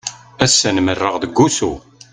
Ass-a nmerreɣ deg usu.